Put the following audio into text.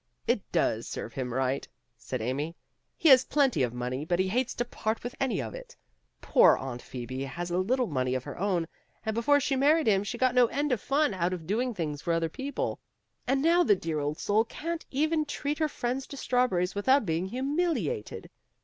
It does serve him right," said Amy. "He has plenty of money, but he hates to part with any of it. Poor Aunt Phoebe has a little money of her own, and before she married him she got no end of fun out of doing things for other people. And now the dear old soul can't even treat her friends to strawberries without being humiliated.